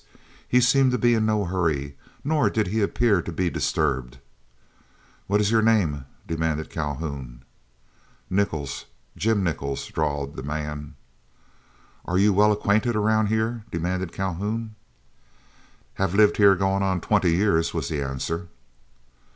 He seemed to be in no hurry, nor did he appear to be disturbed. "What is your name?" demanded Calhoun. "Nichols—Jim Nichols," drawled the man. "Are you well acquainted around here?" demanded Calhoun. "Hev lived heah goin' on twenty years," was the answer.